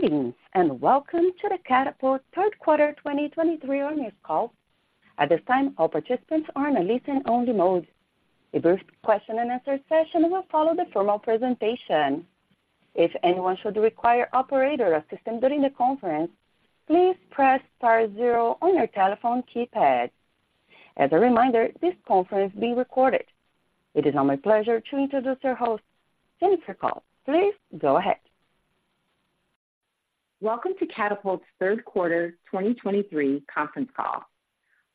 Greetings, and welcome to the Katapult third quarter 2023 earnings call. At this time, all participants are in a listen-only mode. A brief question and answer session will follow the formal presentation. If anyone should require operator assistance during the conference, please press star zero on your telephone keypad. As a reminder, this conference is being recorded. It is now my pleasure to introduce our host, Jennifer Cole. Please go ahead. Welcome to Katapult's third quarter 2023 conference call.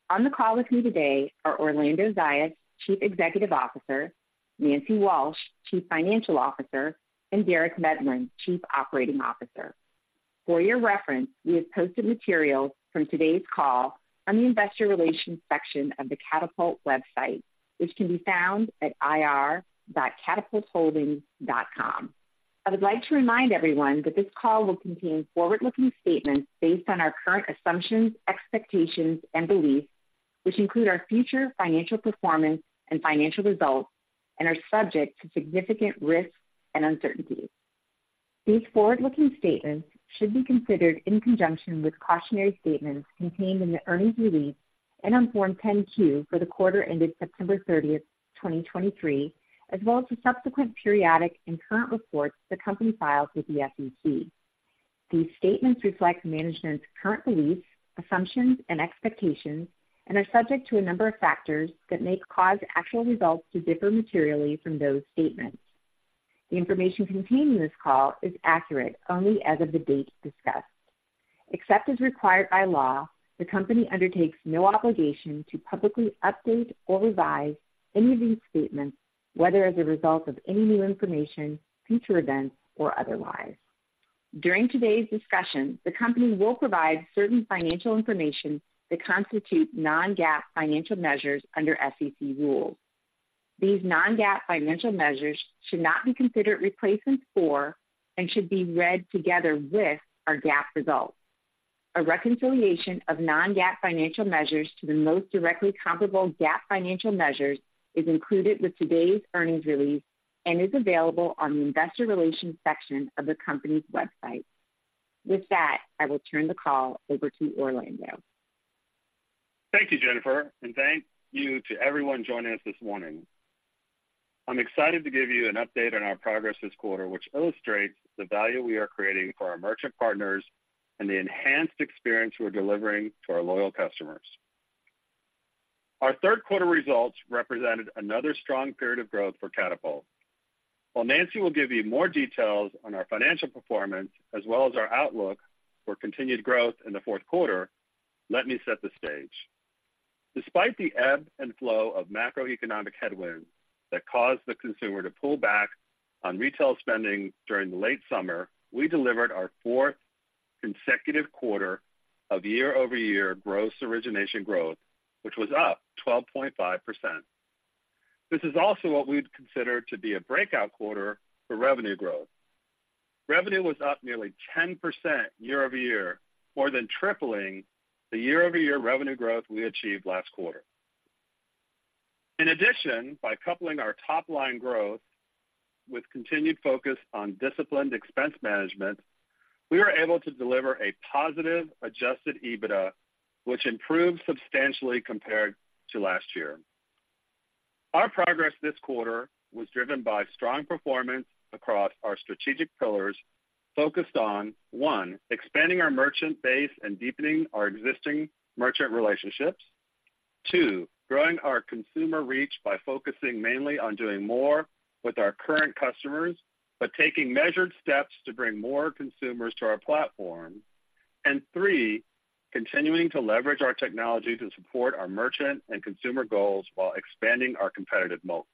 On the call with me today are Orlando Zayas, Chief Executive Officer, Nancy Walsh, Chief Financial Officer, and Derek Medlin, Chief Operating Officer. For your reference, we have posted materials from today's call on the investor relations section of the Katapult website, which can be found at ir.katapultholdings.com. I would like to remind everyone that this call will contain forward-looking statements based on our current assumptions, expectations, and beliefs, which include our future financial performance and financial results and are subject to significant risks and uncertainties. These forward-looking statements should be considered in conjunction with cautionary statements contained in the earnings release and on Form 10-Q for the quarter ended September 30th, 2023, as well as the subsequent periodic and current reports the company files with the SEC. These statements reflect management's current beliefs, assumptions, and expectations and are subject to a number of factors that may cause actual results to differ materially from those statements. The information contained in this call is accurate only as of the date discussed. Except as required by law, the company undertakes no obligation to publicly update or revise any of these statements, whether as a result of any new information, future events, or otherwise. During today's discussion, the company will provide certain financial information that constitute non-GAAP financial measures under SEC rules. These non-GAAP financial measures should not be considered replacements for and should be read together with our GAAP results. A reconciliation of non-GAAP financial measures to the most directly comparable GAAP financial measures is included with today's earnings release and is available on the investor relations section of the company's website. With that, I will turn the call over to Orlando. Thank you, Jennifer, and thank you to everyone joining us this morning. I'm excited to give you an update on our progress this quarter, which illustrates the value we are creating for our merchant partners and the enhanced experience we're delivering to our loyal customers. Our third quarter results represented another strong period of growth for Katapult. While Nancy will give you more details on our financial performance, as well as our outlook for continued growth in the fourth quarter, let me set the stage. Despite the ebb and flow of macroeconomic headwinds that caused the consumer to pull back on retail spending during the late summer, we delivered our fourth consecutive quarter of year-over-year gross origination growth, which was up 12.5%. This is also what we'd consider to be a breakout quarter for revenue growth. Revenue was up nearly 10% year-over-year, more than tripling the year-over-year revenue growth we achieved last quarter. In addition, by coupling our top-line growth with continued focus on disciplined expense management, we were able to deliver a positive adjusted EBITDA, which improved substantially compared to last year. Our progress this quarter was driven by strong performance across our strategic pillars, focused on, one, expanding our merchant base and deepening our existing merchant relationships. Two, growing our consumer reach by focusing mainly on doing more with our current customers, but taking measured steps to bring more consumers to our platform. And three, continuing to leverage our technology to support our merchant and consumer goals while expanding our competitive moat.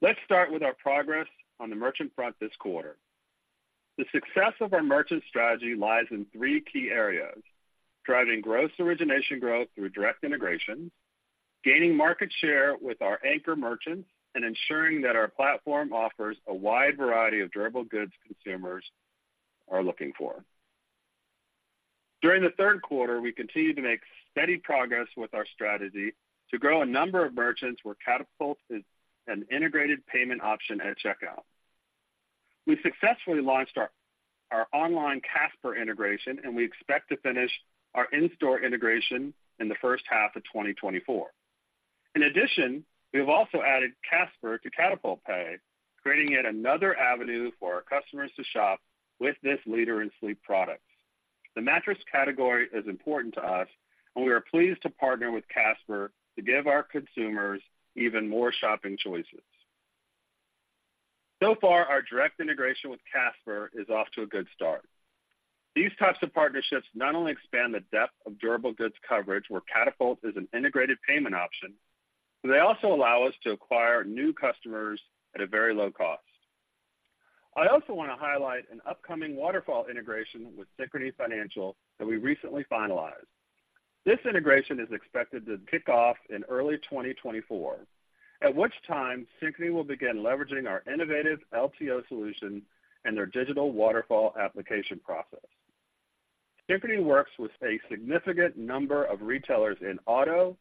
Let's start with our progress on the merchant front this quarter. The success of our merchant strategy lies in three key areas: driving gross origination growth through direct integrations, gaining market share with our anchor merchants, and ensuring that our platform offers a wide variety of durable goods consumers are looking for. During the third quarter, we continued to make steady progress with our strategy to grow a number of merchants where Katapult is an integrated payment option at checkout. We successfully launched our online Casper integration, and we expect to finish our in-store integration in the first half of 2024. In addition, we have also added Casper to Katapult Pay, creating yet another avenue for our customers to shop with this leader in sleep products. The mattress category is important to us, and we are pleased to partner with Casper to give our consumers even more shopping choices. So far, our direct integration with Casper is off to a good start. These types of partnerships not only expand the depth of durable goods coverage, where Katapult is an integrated payment option, but they also allow us to acquire new customers at a very low cost. I also want to highlight an upcoming waterfall integration with Synchrony Financial that we recently finalized. This integration is expected to kick off in early 2024, at which time Synchrony will begin leveraging our innovative LTO solution and their digital waterfall application process. Synchrony works with a significant number of retailers in auto,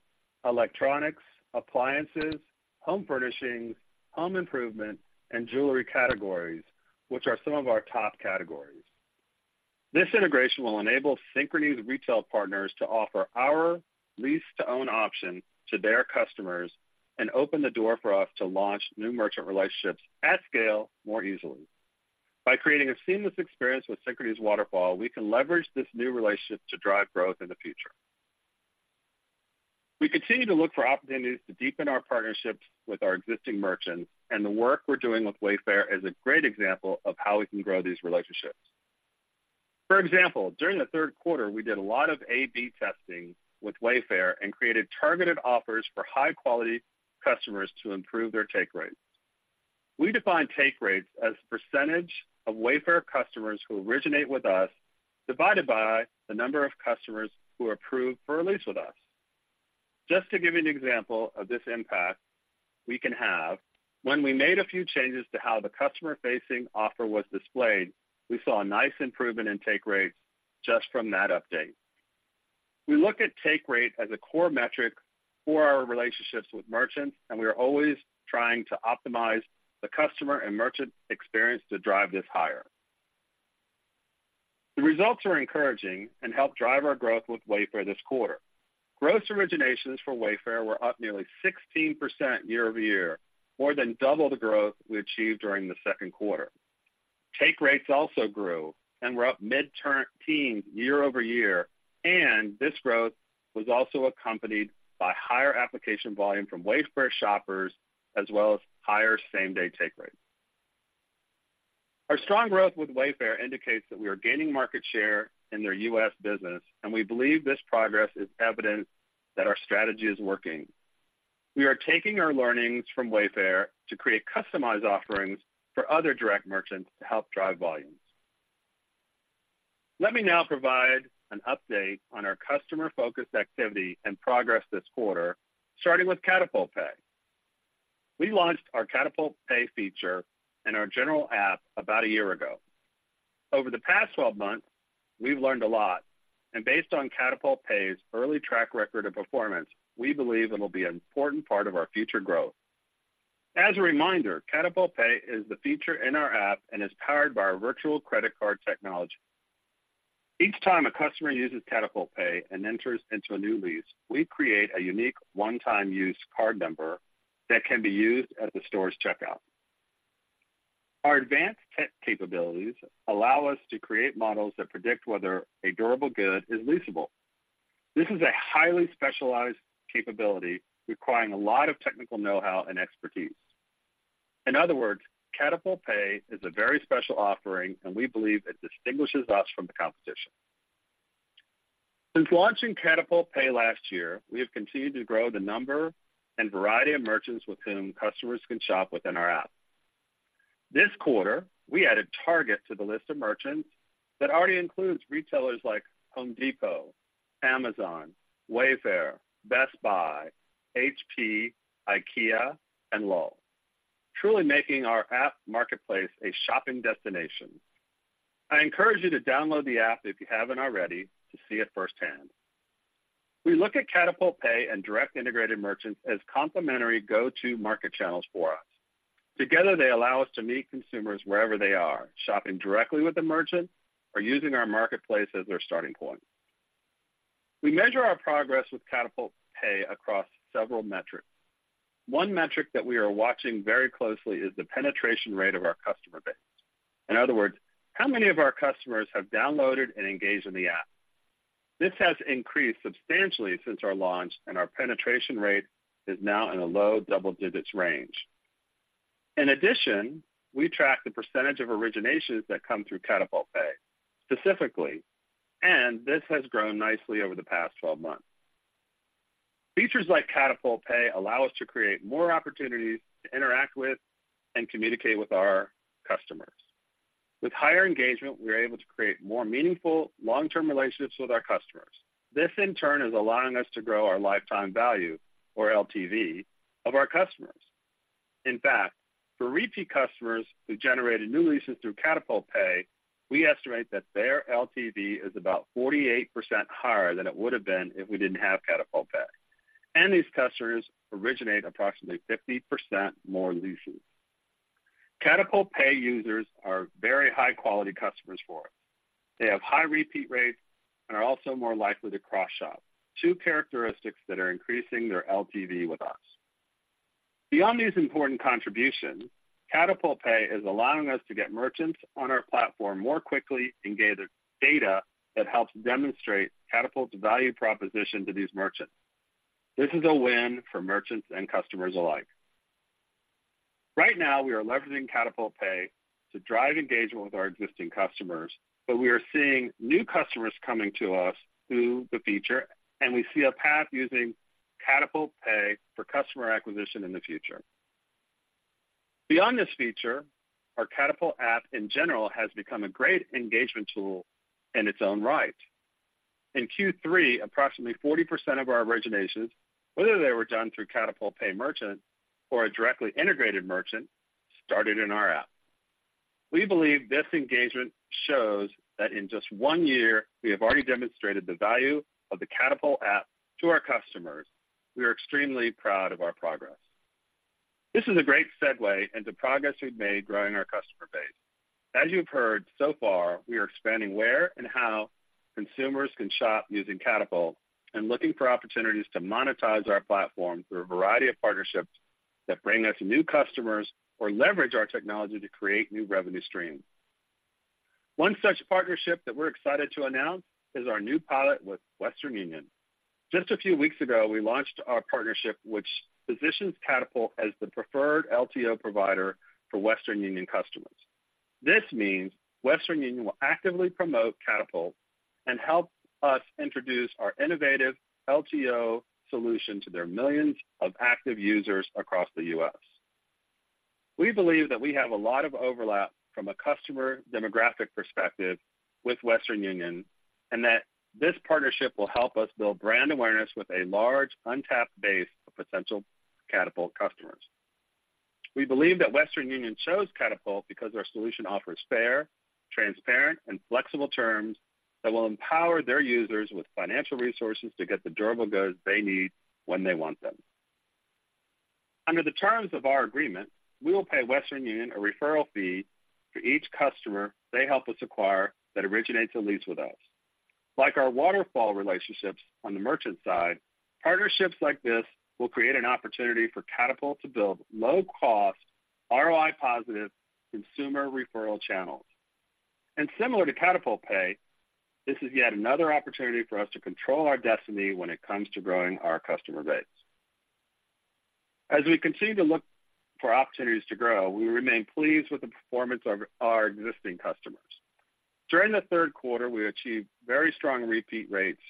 electronics, appliances, home furnishings, home improvement, and jewelry categories, which are some of our top categories. This integration will enable Synchrony's retail partners to offer our lease-to-own option to their customers and open the door for us to launch new merchant relationships at scale more easily. By creating a seamless experience with Synchrony's waterfall, we can leverage this new relationship to drive growth in the future. We continue to look for opportunities to deepen our partnerships with our existing merchants, and the work we're doing with Wayfair is a great example of how we can grow these relationships. For example, during the third quarter, we did a lot of A/B testing with Wayfair and created targeted offers for high-quality customers to improve their take rates. We define take rates as percentage of Wayfair customers who originate with us, divided by the number of customers who approve for a lease with us. Just to give you an example of this impact we can have, when we made a few changes to how the customer-facing offer was displayed, we saw a nice improvement in take rates just from that update. We look at take rate as a core metric for our relationships with merchants, and we are always trying to optimize the customer and merchant experience to drive this higher. The results are encouraging and help drive our growth with Wayfair this quarter. Gross originations for Wayfair were up nearly 16% year-over-year, more than double the growth we achieved during the second quarter. Take rates also grew and were up mid-teens year-over-year, and this growth was also accompanied by higher application volume from Wayfair shoppers, as well as higher same-day take rates. Our strong growth with Wayfair indicates that we are gaining market share in their U.S. business, and we believe this progress is evidence that our strategy is working. We are taking our learnings from Wayfair to create customized offerings for other direct merchants to help drive volumes. Let me now provide an update on our customer-focused activity and progress this quarter, starting with Katapult Pay. We launched our Katapult Pay feature in our general app about a year ago. Over the past 12 months, we've learned a lot, and based on Katapult Pay's early track record of performance, we believe it'll be an important part of our future growth. As a reminder, Katapult Pay is the feature in our app and is powered by our virtual credit card technology. Each time a customer uses Katapult Pay and enters into a new lease, we create a unique one-time use card number that can be used at the store's checkout. Our advanced tech capabilities allow us to create models that predict whether a durable good is leasable. This is a highly specialized capability, requiring a lot of technical know-how and expertise. In other words, Katapult Pay is a very special offering, and we believe it distinguishes us from the competition. Since launching Katapult Pay last year, we have continued to grow the number and variety of merchants with whom customers can shop within our app. This quarter, we added Target to the list of merchants that already includes retailers like Home Depot, Amazon, Wayfair, Best Buy, HP, IKEA, and Lowe's, truly making our app marketplace a shopping destination. I encourage you to download the app if you haven't already, to see it firsthand. We look at Katapult Pay and direct integrated merchants as complementary go-to market channels for us. Together, they allow us to meet consumers wherever they are, shopping directly with the merchant or using our marketplace as their starting point. We measure our progress with Katapult Pay across several metrics. One metric that we are watching very closely is the penetration rate of our customer base. In other words, how many of our customers have downloaded and engaged in the app? This has increased substantially since our launch, and our penetration rate is now in a low double-digits range. In addition, we track the percentage of originations that come through Katapult Pay specifically, and this has grown nicely over the past 12 months. Features like Katapult Pay allow us to create more opportunities to interact with and communicate with our customers. With higher engagement, we are able to create more meaningful, long-term relationships with our customers. This, in turn, is allowing us to grow our lifetime value, or LTV, of our customers. In fact, for repeat customers who generated new leases through Katapult Pay, we estimate that their LTV is about 48% higher than it would have been if we didn't have Katapult Pay. These customers originate approximately 50% more leases. Katapult Pay users are very high-quality customers for us. They have high repeat rates and are also more likely to cross-shop, two characteristics that are increasing their LTV with us. Beyond these important contributions, Katapult Pay is allowing us to get merchants on our platform more quickly and gather data that helps demonstrate Katapult's value proposition to these merchants. This is a win for merchants and customers alike. Right now, we are leveraging Katapult Pay to drive engagement with our existing customers, but we are seeing new customers coming to us through the feature, and we see a path using Katapult Pay for customer acquisition in the future. Beyond this feature, our Katapult app, in general, has become a great engagement tool in its own right. In Q3, approximately 40% of our originations, whether they were done through Katapult Pay merchant or a directly integrated merchant, started in our app. We believe this engagement shows that in just one year, we have already demonstrated the value of the Katapult app to our customers. We are extremely proud of our progress. This is a great segue into progress we've made growing our customer base. As you've heard so far, we are expanding where and how consumers can shop using Katapult and looking for opportunities to monetize our platform through a variety of partnerships that bring us new customers or leverage our technology to create new revenue streams. One such partnership that we're excited to announce is our new pilot with Western Union. Just a few weeks ago, we launched our partnership, which positions Katapult as the preferred LTO provider for Western Union customers. This means Western Union will actively promote Katapult and help us introduce our innovative LTO solution to their millions of active users across the U.S. We believe that we have a lot of overlap from a customer demographic perspective with Western Union, and that this partnership will help us build brand awareness with a large, untapped base of potential Katapult customers. We believe that Western Union chose Katapult because our solution offers fair, transparent, and flexible terms that will empower their users with financial resources to get the durable goods they need when they want them. Under the terms of our agreement, we will pay Western Union a referral fee for each customer they help us acquire that originates a lease with us. Like our waterfall relationships on the merchant side, partnerships like this will create an opportunity for Katapult to build low-cost, ROI-positive consumer referral channels. Similar to Katapult Pay, this is yet another opportunity for us to control our destiny when it comes to growing our customer base. As we continue to look for opportunities to grow, we remain pleased with the performance of our existing customers. During the third quarter, we achieved very strong repeat rates,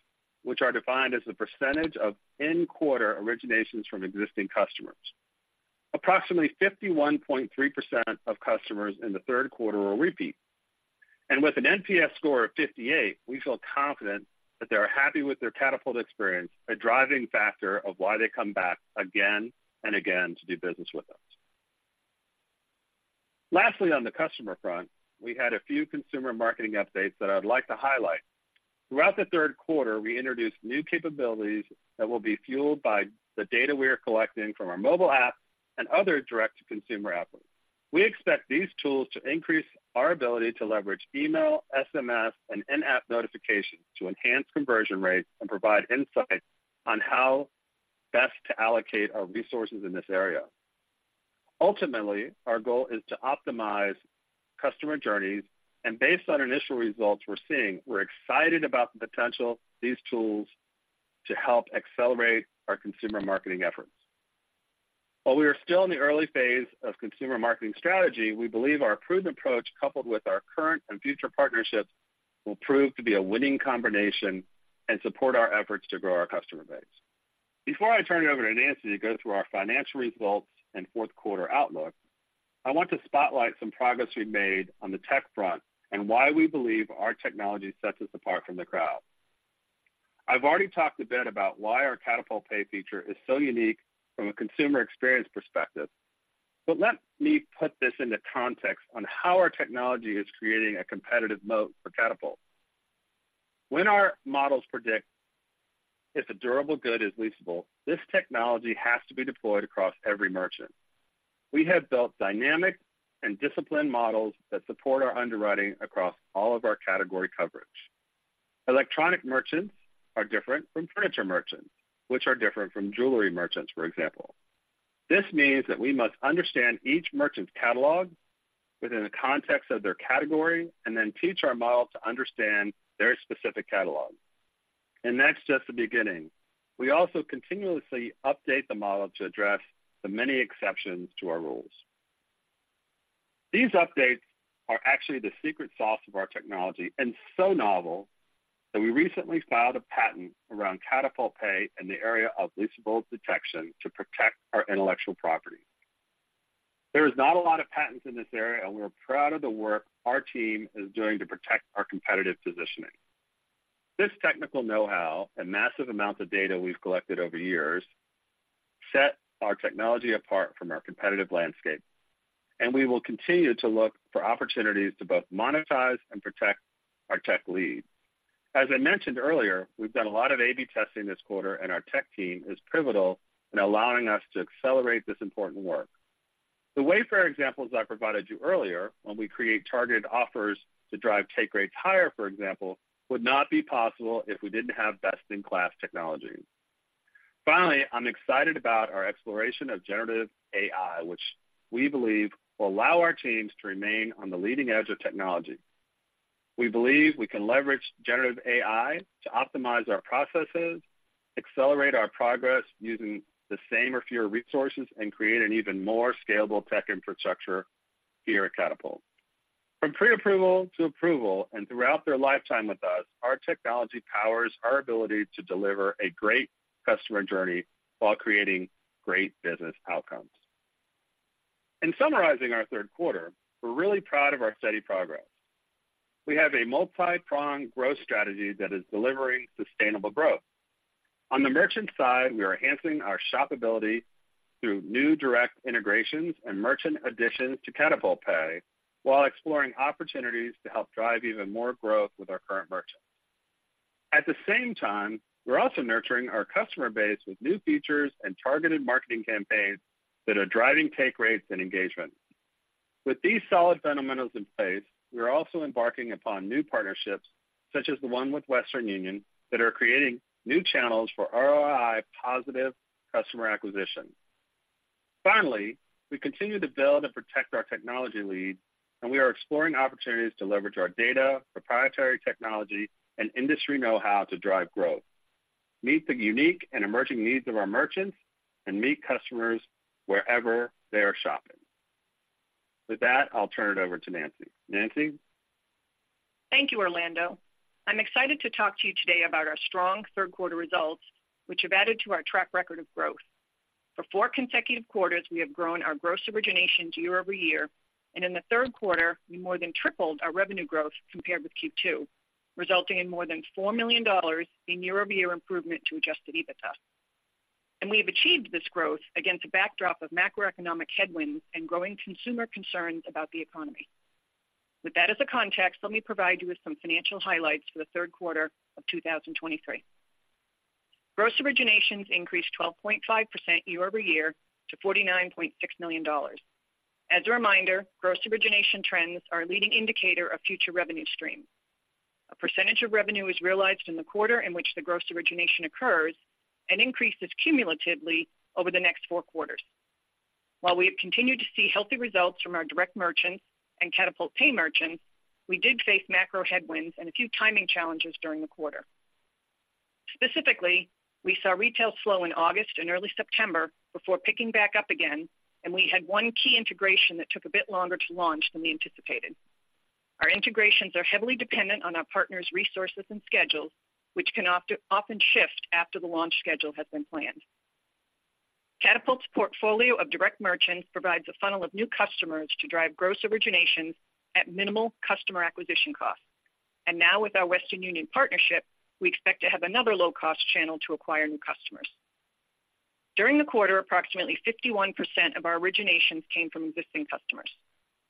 which are defined as the percentage of in-quarter originations from existing customers. Approximately 51.3% of customers in the third quarter were repeat, and with an NPS score of 58, we feel confident that they are happy with their Katapult experience, a driving factor of why they come back again and again to do business with us. Lastly, on the customer front, we had a few consumer marketing updates that I'd like to highlight. Throughout the third quarter, we introduced new capabilities that will be fueled by the data we are collecting from our mobile app and other direct-to-consumer efforts. We expect these tools to increase our ability to leverage email, SMS, and in-app notifications to enhance conversion rates and provide insight on how best to allocate our resources in this area. Ultimately, our goal is to optimize customer journeys, and based on initial results we're seeing, we're excited about the potential of these tools to help accelerate our consumer marketing efforts. While we are still in the early phase of consumer marketing strategy, we believe our proven approach, coupled with our current and future partnerships, will prove to be a winning combination and support our efforts to grow our customer base. Before I turn it over to Nancy to go through our financial results and fourth quarter outlook, I want to spotlight some progress we've made on the tech front and why we believe our technology sets us apart from the crowd. I've already talked a bit about why our Katapult Pay feature is so unique from a consumer experience perspective, but let me put this into context on how our technology is creating a competitive moat for Katapult. When our models predict if a durable good is leasable, this technology has to be deployed across every merchant. We have built dynamic and disciplined models that support our underwriting across all of our category coverage. Electronic merchants are different from furniture merchants, which are different from jewelry merchants, for example. This means that we must understand each merchant's catalog within the context of their category, and then teach our model to understand their specific catalog. And that's just the beginning. We also continuously update the model to address the many exceptions to our rules. These updates are actually the secret sauce of our technology, and so novel that we recently filed a patent around Katapult Pay in the area of leasable detection to protect our intellectual property. There is not a lot of patents in this area, and we're proud of the work our team is doing to protect our competitive positioning. This technical know-how and massive amounts of data we've collected over years set our technology apart from our competitive landscape, and we will continue to look for opportunities to both monetize and protect our tech lead. As I mentioned earlier, we've done a lot of A/B testing this quarter, and our tech team is pivotal in allowing us to accelerate this important work. The Wayfair examples I provided you earlier, when we create targeted offers to drive take rates higher, for example, would not be possible if we didn't have best-in-class technology. Finally, I'm excited about our exploration of generative AI, which we believe will allow our teams to remain on the leading edge of technology. We believe we can leverage generative AI to optimize our processes, accelerate our progress using the same or fewer resources, and create an even more scalable tech infrastructure here at Katapult. From pre-approval to approval and throughout their lifetime with us, our technology powers our ability to deliver a great customer journey while creating great business outcomes. In summarizing our third quarter, we're really proud of our steady progress. We have a multipronged growth strategy that is delivering sustainable growth. On the merchant side, we are enhancing our shoppability through new direct integrations and merchant additions to Katapult Pay, while exploring opportunities to help drive even more growth with our current merchants. At the same time, we're also nurturing our customer base with new features and targeted marketing campaigns that are driving take rates and engagement. With these solid fundamentals in place, we are also embarking upon new partnerships, such as the one with Western Union, that are creating new channels for ROI-positive customer acquisition. Finally, we continue to build and protect our technology lead, and we are exploring opportunities to leverage our data, proprietary technology, and industry know-how to drive growth, meet the unique and emerging needs of our merchants, and meet customers wherever they are shopping. With that, I'll turn it over to Nancy. Nancy? Thank you, Orlando. I'm excited to talk to you today about our strong third quarter results, which have added to our track record of growth. For four consecutive quarters, we have grown our gross originations year-over-year, and in the third quarter, we more than tripled our revenue growth compared with Q2, resulting in more than $4 million in year-over-year improvement to adjusted EBITDA. We have achieved this growth against a backdrop of macroeconomic headwinds and growing consumer concerns about the economy. With that as a context, let me provide you with some financial highlights for the third quarter of 2023. Gross originations increased 12.5% year-over-year to $49.6 million. As a reminder, gross origination trends are a leading indicator of future revenue streams. A percentage of revenue is realized in the quarter in which the gross origination occurs and increases cumulatively over the next four quarters. While we have continued to see healthy results from our direct merchants and Katapult Pay merchants, we did face macro headwinds and a few timing challenges during the quarter. Specifically, we saw retail slow in August and early September before picking back up again, and we had one key integration that took a bit longer to launch than we anticipated. Our integrations are heavily dependent on our partners' resources and schedules, which can often shift after the launch schedule has been planned. Katapult's portfolio of direct merchants provides a funnel of new customers to drive gross originations at minimal customer acquisition costs. Now with our Western Union partnership, we expect to have another low-cost channel to acquire new customers. During the quarter, approximately 51% of our originations came from existing customers.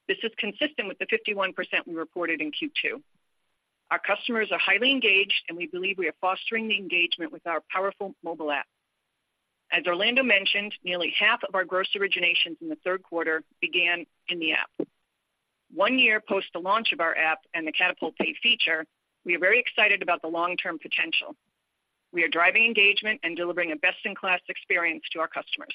This is consistent with the 51% we reported in Q2. Our customers are highly engaged, and we believe we are fostering the engagement with our powerful mobile app. As Orlando mentioned, nearly half of our gross originations in the third quarter began in the app. One year post the launch of our app and the Katapult Pay feature, we are very excited about the long-term potential. We are driving engagement and delivering a best-in-class experience to our customers.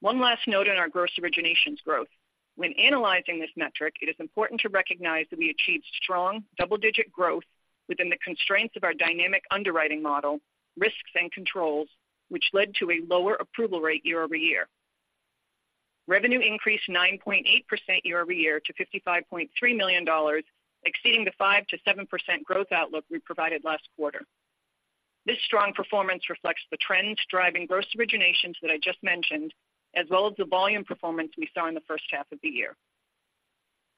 One last note on our gross originations growth. When analyzing this metric, it is important to recognize that we achieved strong double-digit growth within the constraints of our dynamic underwriting model, risks and controls, which led to a lower approval rate year-over-year. Revenue increased 9.8% year-over-year to $55.3 million, exceeding the 5%-7% growth outlook we provided last quarter. This strong performance reflects the trends driving gross originations that I just mentioned, as well as the volume performance we saw in the first half of the year.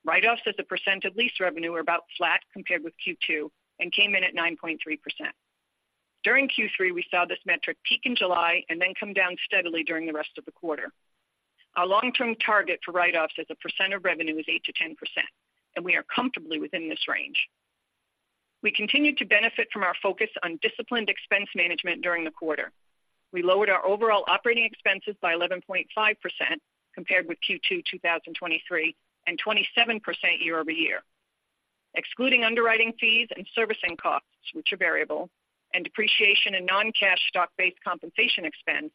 Write-offs as a percent of lease revenue were about flat compared with Q2 and came in at 9.3%. During Q3, we saw this metric peak in July and then come down steadily during the rest of the quarter. Our long-term target for write-offs as a percent of revenue is 8%-10%, and we are comfortably within this range. We continued to benefit from our focus on disciplined expense management during the quarter. We lowered our overall operating expenses by 11.5% compared with Q2 2023, and 27% year-over-year. Excluding underwriting fees and servicing costs, which are variable, and depreciation and non-cash stock-based compensation expense,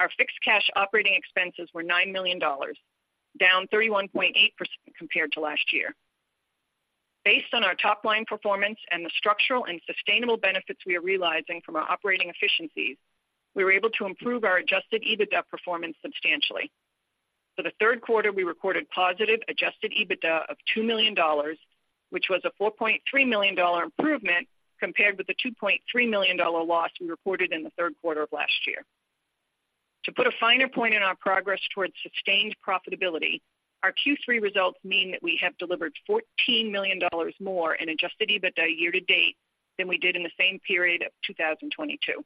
our fixed cash operating expenses were $9 million, down 31.8% compared to last year. Based on our top-line performance and the structural and sustainable benefits we are realizing from our operating efficiencies, we were able to improve our adjusted EBITDA performance substantially. For the third quarter, we recorded positive adjusted EBITDA of $2 million, which was a $4.3 million improvement compared with the $2.3 million loss we reported in the third quarter of last year. To put a finer point on our progress towards sustained profitability, our Q3 results mean that we have delivered $14 million more in adjusted EBITDA year to date than we did in the same period of 2022.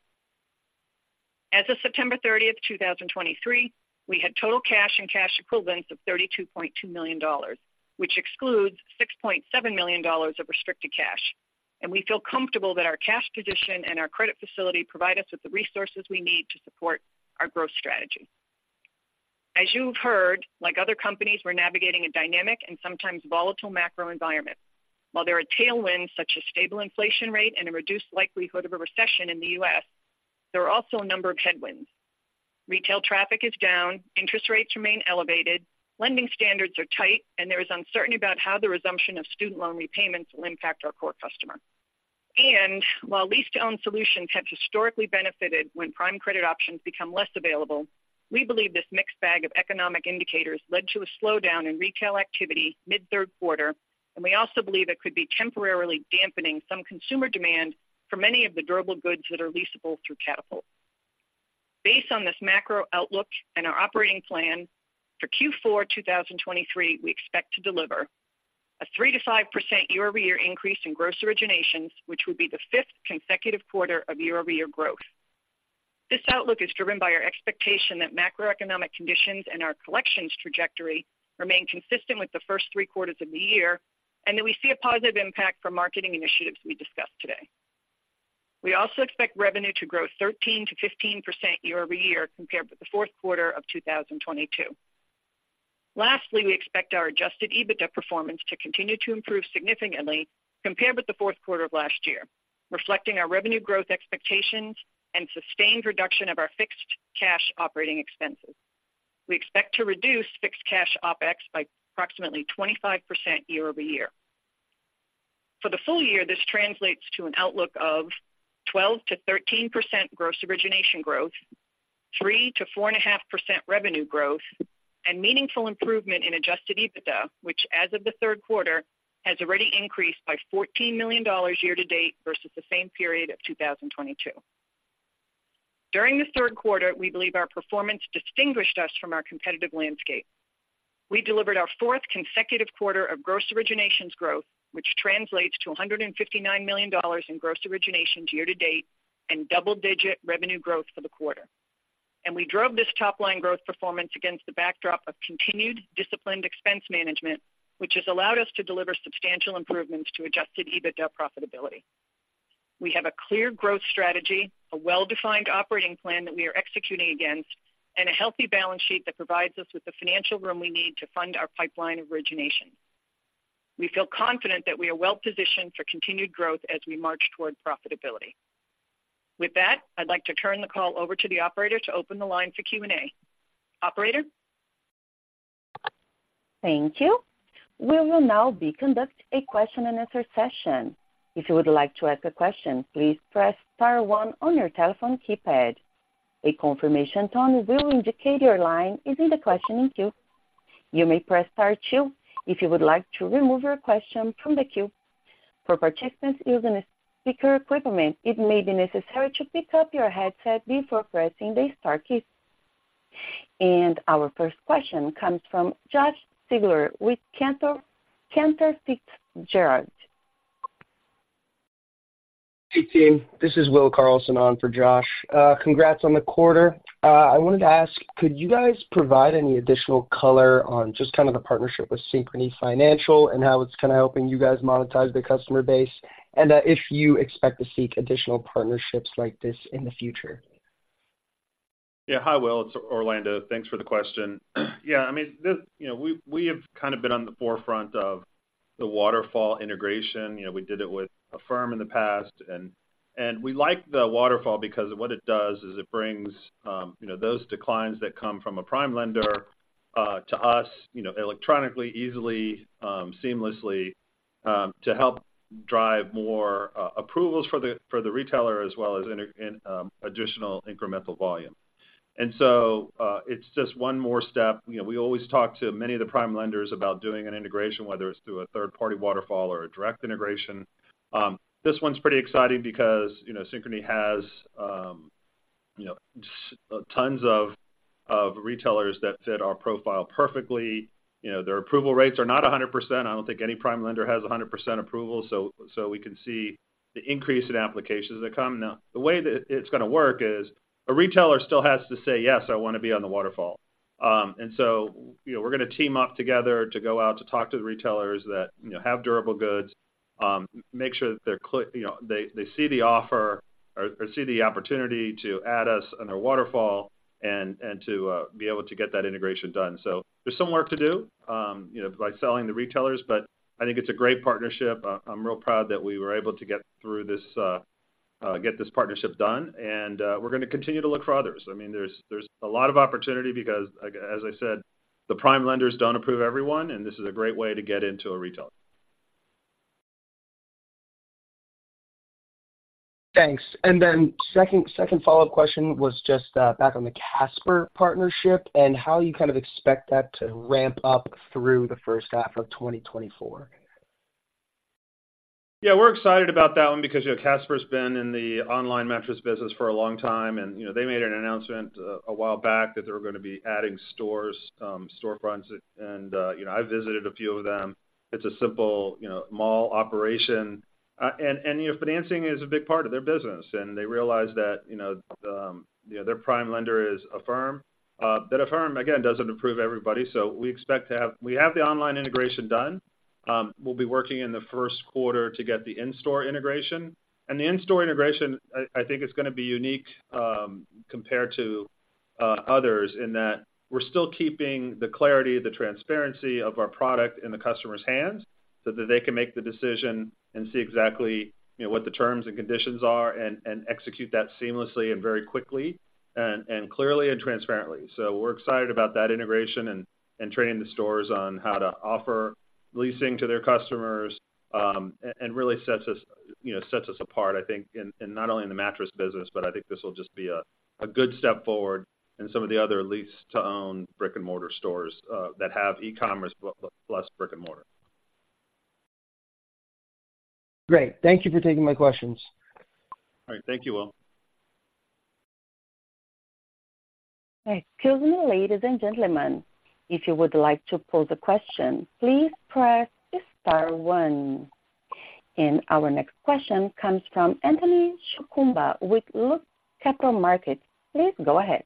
As of September 30th, 2023, we had total cash and cash equivalents of $32.2 million, which excludes $6.7 million of restricted cash. We feel comfortable that our cash position and our credit facility provide us with the resources we need to support our growth strategy. As you've heard, like other companies, we're navigating a dynamic and sometimes volatile macro environment. While there are tailwinds, such as stable inflation rate and a reduced likelihood of a recession in the U.S., there are also a number of headwinds. Retail traffic is down, interest rates remain elevated, lending standards are tight, and there is uncertainty about how the resumption of student loan repayments will impact our core customer. And while lease-to-own solutions have historically benefited when prime credit options become less available, we believe this mixed bag of economic indicators led to a slowdown in retail activity mid-third quarter, and we also believe it could be temporarily dampening some consumer demand for many of the durable goods that are leasable through Katapult. Based on this macro outlook and our operating plan for Q4 2023, we expect to deliver a 3%-5% year-over-year increase in gross originations, which would be the fifth consecutive quarter of year-over-year growth. This outlook is driven by our expectation that macroeconomic conditions and our collections trajectory remain consistent with the first three quarters of the year, and that we see a positive impact from marketing initiatives we discussed today. We also expect revenue to grow 13%-15% year-over-year compared with the fourth quarter of 2022. Lastly, we expect our adjusted EBITDA performance to continue to improve significantly compared with the fourth quarter of last year, reflecting our revenue growth expectations and sustained reduction of our fixed cash operating expenses. We expect to reduce fixed cash OpEx by approximately 25% year-over-year. For the full year, this translates to an outlook of 12%-13% gross origination growth, 3%-4.5% revenue growth, and meaningful improvement in adjusted EBITDA, which, as of the third quarter, has already increased by $14 million year-to-date versus the same period of 2022. During the third quarter, we believe our performance distinguished us from our competitive landscape. We delivered our fourth consecutive quarter of gross originations growth, which translates to $159 million in gross originations year-to-date and double-digit revenue growth for the quarter. We drove this top-line growth performance against the backdrop of continued disciplined expense management, which has allowed us to deliver substantial improvements to adjusted EBITDA profitability. We have a clear growth strategy, a well-defined operating plan that we are executing against, and a healthy balance sheet that provides us with the financial room we need to fund our pipeline of origination. We feel confident that we are well-positioned for continued growth as we march toward profitability. With that, I'd like to turn the call over to the operator to open the line for Q&A. Operator? Thank you. We will now be conducting a question-and-answer session. If you would like to ask a question, please press star one on your telephone keypad. A confirmation tone will indicate your line is in the questioning queue. You may press star two if you would like to remove your question from the queue. For participants using a speaker equipment, it may be necessary to pick up your headset before pressing the star key. Our first question comes from Josh Siegler with Cantor Fitzgerald. Hey, team, this is Will Carlson on for Josh. Congrats on the quarter. I wanted to ask, could you guys provide any additional color on just kind of the partnership with Synchrony Financial and how it's kind of helping you guys monetize the customer base, and if you expect to seek additional partnerships like this in the future? Yeah. Hi, Will, it's Orlando. Thanks for the question. Yeah, I mean, this—you know, we have kind of been on the forefront of the waterfall integration. You know, we did it with a firm in the past, and we like the waterfall because what it does is it brings you know, those declines that come from a prime lender to us, you know, electronically, easily, seamlessly, to help drive more approvals for the retailer, as well as additional incremental volume. And so, it's just one more step. You know, we always talk to many of the prime lenders about doing an integration, whether it's through a third-party waterfall or a direct integration. This one's pretty exciting because, you know, Synchrony has you know, tons of retailers that fit our profile perfectly. You know, their approval rates are not 100%. I don't think any prime lender has 100% approval, so we can see the increase in applications that come. Now, the way that it's gonna work is, a retailer still has to say, "Yes, I wanna be on the waterfall." And so, you know, we're gonna team up together to go out to talk to the retailers that, you know, have durable goods, make sure that they're you know, they see the offer or see the opportunity to add us on their waterfall and to be able to get that integration done. So there's some work to do, you know, by selling the retailers, but I think it's a great partnership. I'm real proud that we were able to get through this, get this partnership done, and we're gonna continue to look for others. I mean, there's a lot of opportunity because, like, as I said, the prime lenders don't approve everyone, and this is a great way to get into a retailer. Thanks. And then second, second follow-up question was just, back on the Casper partnership and how you kind of expect that to ramp up through the first half of 2024. Yeah, we're excited about that one because, you know, Casper's been in the online mattress business for a long time, and, you know, they made an announcement a while back that they were gonna be adding stores, storefronts, and, you know, I visited a few of them. It's a simple, you know, mall operation. And, you know, financing is a big part of their business, and they realize that, you know, you know, their prime lender is Affirm. But Affirm, again, doesn't approve everybody, so we expect to have- we have the online integration done. We'll be working in the first quarter to get the in-store integration. And the in-store integration, I think, is gonna be unique compared to others in that we're still keeping the clarity, the transparency of our product in the customer's hands, so that they can make the decision and see exactly, you know, what the terms and conditions are and execute that seamlessly and very quickly and clearly and transparently. So we're excited about that integration and training the stores on how to offer leasing to their customers, and really sets us, you know, sets us apart, I think, in not only the mattress business, but I think this will just be a good step forward in some of the other lease-to-own brick-and-mortar stores that have e-commerce plus brick-and-mortar. Great. Thank you for taking my questions. All right, thank you, Will. Excuse me, ladies and gentlemen, if you would like to pose a question, please press star one. And our next question comes from Anthony Chukumba with Loop Capital Markets. Please go ahead.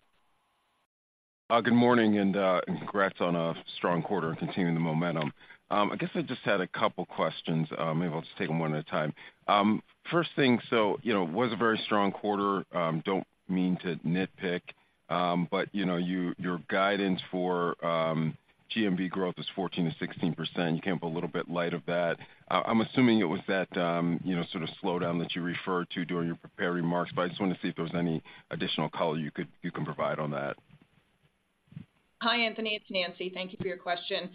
Good morning, and, congrats on a strong quarter and continuing the momentum. I guess I just had a couple questions. Maybe I'll just take them one at a time. First thing, so you know, it was a very strong quarter. Don't mean to nitpick, but, you know, your guidance for, GMV growth is 14%-16%. You came up a little bit light of that. I'm assuming it was that, you know, sort of slowdown that you referred to during your prepared remarks, but I just wanted to see if there was any additional color you can provide on that. Hi, Anthony. It's Nancy. Thank you for your question.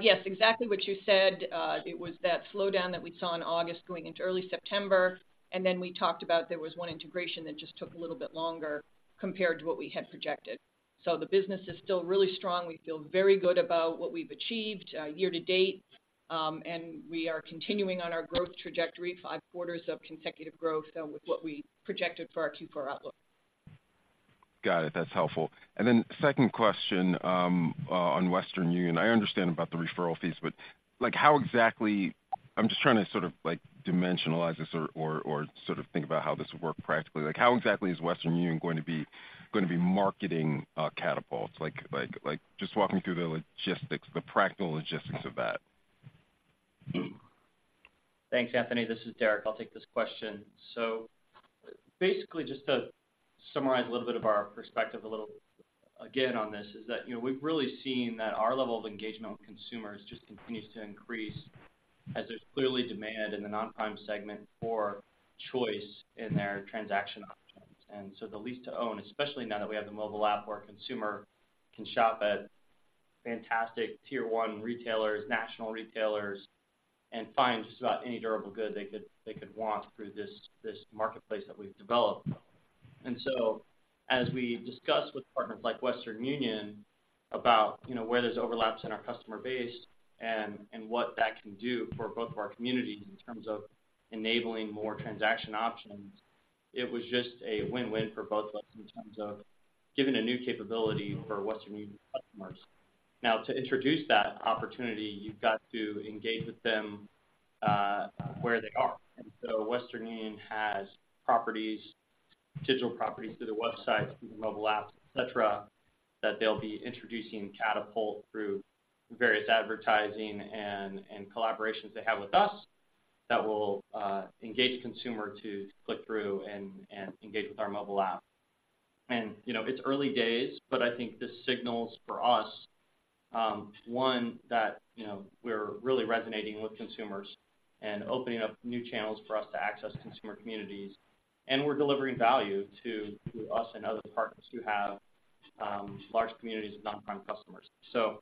Yes, exactly what you said. It was that slowdown that we saw in August going into early September, and then we talked about there was one integration that just took a little bit longer compared to what we had projected. So the business is still really strong. We feel very good about what we've achieved, year-to-date. And we are continuing on our growth trajectory, five quarters of consecutive growth with what we projected for our Q4 outlook. Got it. That's helpful. And then second question on Western Union. I understand about the referral fees, but, like, how exactly... I'm just trying to sort of, like, dimensionalize this or, or, sort of think about how this would work practically. Like, how exactly is Western Union going to be marketing Katapult? Like, like, like, just walking through the logistics, the practical logistics of that. Thanks, Anthony. This is Derek. I'll take this question. So basically, just to summarize a little bit of our perspective a little again on this, is that, you know, we've really seen that our level of engagement with consumers just continues to increase as there's clearly demand in the non-prime segment for choice in their transaction options. And so the lease-to-own, especially now that we have the mobile app, where a consumer can shop at fantastic tier-one retailers, national retailers, and find just about any durable good they could, they could want through this, this marketplace that we've developed. And so as we discuss with partners like Western Union about, you know, where there's overlaps in our customer base and, and what that can do for both of our communities in terms of enabling more transaction options, it was just a win-win for both of us in terms of giving a new capability for Western Union customers. Now, to introduce that opportunity, you've got to engage with them where they are. And so Western Union has properties, digital properties, through their website, through the mobile app, et cetera, that they'll be introducing Katapult through various advertising and, and collaborations they have with us that will engage the consumer to click through and, and engage with our mobile app. You know, it's early days, but I think this signals for us, one, that, you know, we're really resonating with consumers and opening up new channels for us to access consumer communities, and we're delivering value to us and other partners who have, large communities of non-prime customers. So,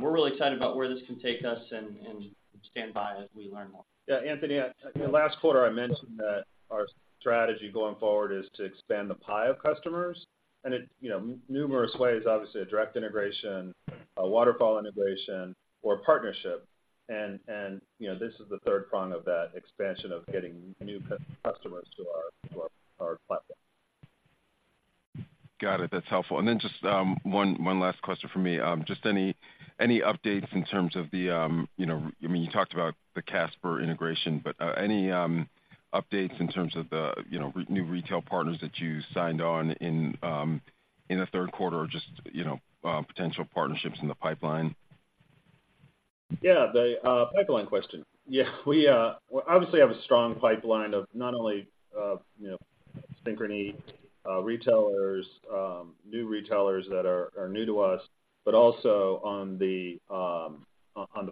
we're really excited about where this can take us and, and stand by as we learn more. Yeah, Anthony, last quarter, I mentioned that our strategy going forward is to expand the pie of customers, and, you know, numerous ways, obviously, a direct integration, a waterfall integration, or partnership. And, you know, this is the third prong of that expansion of getting new customers to our platform. Got it. That's helpful. And then just one last question from me. Just any updates in terms of the, you know, I mean, you talked about the Casper integration, but any updates in terms of the, you know, new retail partners that you signed on in the third quarter or just, you know, potential partnerships in the pipeline? Yeah, the pipeline question. Yeah, we obviously have a strong pipeline of not only, you know, Synchrony retailers, new retailers that are new to us, but also on the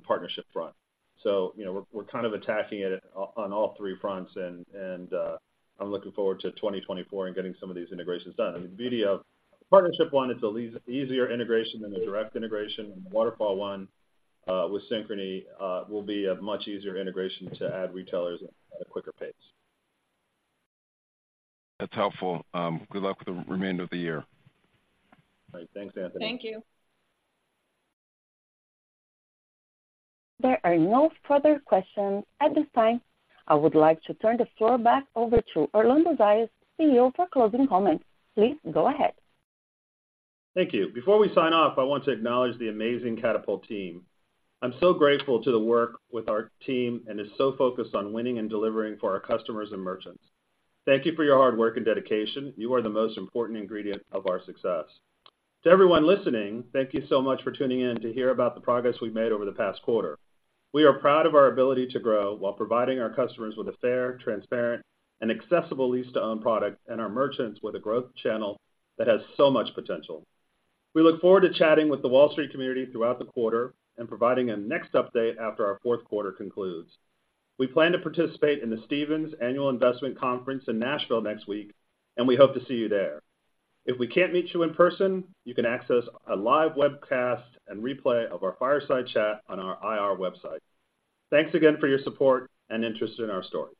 partnership front. So, you know, we're kind of attacking it on all three fronts and I'm looking forward to 2024 and getting some of these integrations done. I mean, the Western Union partnership one is an easier integration than a direct integration, and the Waterfall one with Synchrony will be a much easier integration to add retailers at a quicker pace. That's helpful. Good luck with the remainder of the year. All right. Thanks, Anthony. Thank you. There are no further questions at this time. I would like to turn the floor back over to Orlando Zayas, CEO, for closing comments. Please go ahead. Thank you. Before we sign off, I want to acknowledge the amazing Katapult team. I'm so grateful to work with our team, and they are so focused on winning and delivering for our customers and merchants. Thank you for your hard work and dedication. You are the most important ingredient of our success. To everyone listening, thank you so much for tuning in to hear about the progress we've made over the past quarter. We are proud of our ability to grow while providing our customers with a fair, transparent, and accessible lease-to-own product and our merchants with a growth channel that has so much potential. We look forward to chatting with the Wall Street community throughout the quarter and providing a next update after our fourth quarter concludes. We plan to participate in the Stephens Annual Investment Conference in Nashville next week, and we hope to see you there. If we can't meet you in person, you can access a live webcast and replay of our fireside chat on our IR website. Thanks again for your support and interest in our story.